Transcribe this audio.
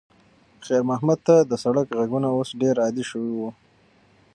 خیر محمد ته د سړک غږونه اوس ډېر عادي شوي وو.